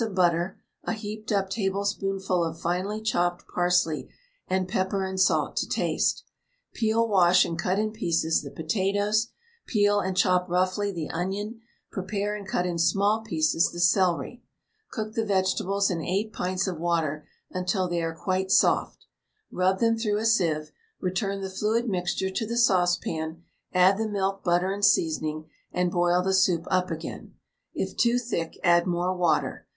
of butter, a heaped up tablespoonful of finely chopped Parsley, and pepper and salt to taste. Peel, wash, and cut in pieces the potatoes, peel and chop roughly the onion, prepare and cut in small pieces the celery. Cook the vegetables in 8 pints of water until they are quite soft. Rub them through a sieve, return the fluid mixture to the saucepan; add the milk, butter, and seasoning, and boil the soup up again; if too thick, add more water.